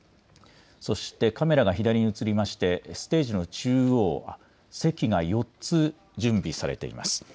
そしてカメラが左に移りまして、ステージの中央、席が４つ準備されています。